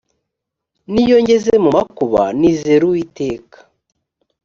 n’iyo ngeze mu makuba nizera uwiteka